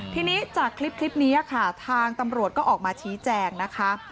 ทีนี้จากคลิปนี้ค่ะทางตำรวจก็ออกมาชี้แจงนะคะ